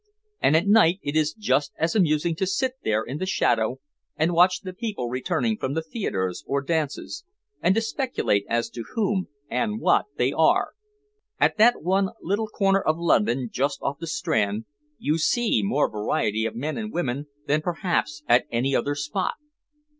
And at night it is just as amusing to sit there in the shadow and watch the people returning from the theaters or dances and to speculate as to whom and what they are. At that one little corner of London just off the Strand you see more variety of men and women than perhaps at any other spot.